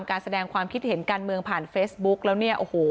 การแสดงความคิดเห็นการเมืองผ่านเฟซบุ๊กแล้วเนี่ยโอ้โห